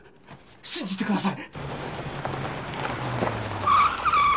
信じてください！